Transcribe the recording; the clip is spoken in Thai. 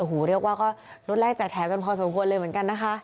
โอ้โหเรียกว่าก็รถแรกจากแถวกันพอสมควรเลยเหมือนกันนะคะ